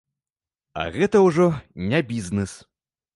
А гэта ўжо не бізнес!